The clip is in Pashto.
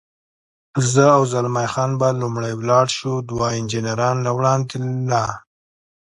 زه او زلمی خان به لومړی ولاړ شو، دوه انجنیران له وړاندې لا.